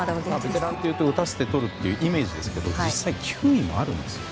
ベテランというと打たせてとるイメージですが実際、球威はあるんですよね。